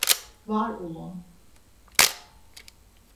Var ulun.